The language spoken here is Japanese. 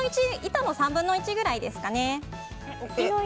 板の３分の１くらいですかね。